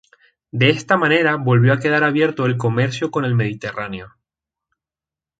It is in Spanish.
De esta manera volvió a quedar abierto el comercio con el Mediterráneo.